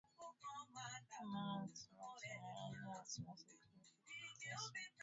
Human Rights Watch inaelezea wasiwasi kuhusu kuteswa kwa wafungwa nchini Uganda